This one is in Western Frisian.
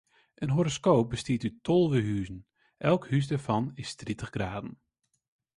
In horoskoop bestiet út tolve huzen, elk hûs dêrfan is tritich graden.